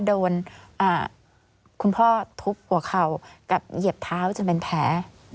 โดนคุณพ่อทุบหัวเข่ากับเหยียบเท้าจนเป็นแผล